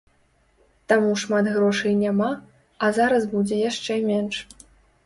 Таму шмат грошай няма, а зараз будзе яшчэ менш.